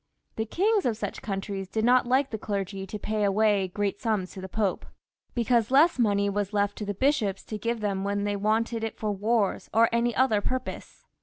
The kings of such countries did not like the clergy to~pay away great sums to the popes, because less money ^as"^ left for the bishops to give them when thejr wanted it for wars or any other purpose.